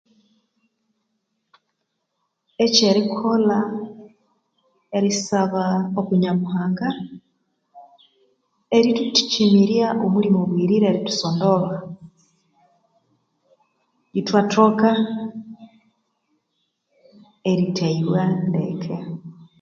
Ekyerikolha erisaba nyamuhanga erithukyimirirya mulimu abuyirire erithusondola ithwathoka eeithahibwa ndeke